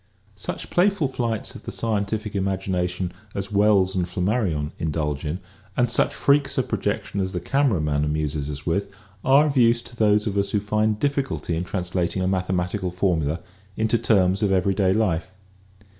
Such playful flights of the scientific imagination as Wells and Flammarion indulge in and such freaks of projection as the camera man amuses us with are of use to those of us who find difficulty in translating a mathematical formula into terms of everyday life.